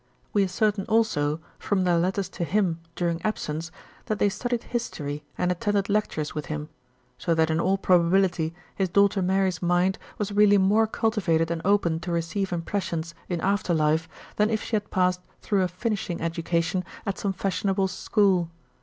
We ascertain, also, from their letters to him during absence, that they studied history and attended lectures with him ; so that in all probability his daughter Mary's mind was really more cultivated and open to receive impressions in after life than if she had passed through a '' finishing " education at some fashionable school.